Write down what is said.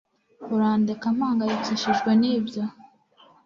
urandeka mpangayikishijwe nibyo